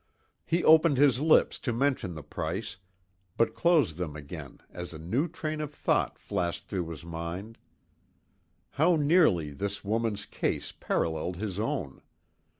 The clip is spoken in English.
He opened his lips to mention the price, but closed them again as a new train of thought flashed through his mind. How nearly this woman's case paralleled his own.